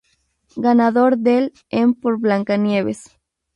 Ganador del en por Blancanieves.